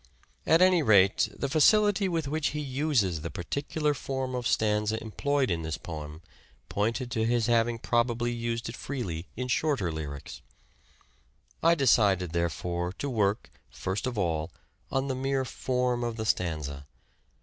At any rate the facility with which he uses the particular form of stanza employed in this poem pointed to his having probably used it freely in shorter lyrics. I decided, therefore, to work, first of all, on the mere form of the stanza.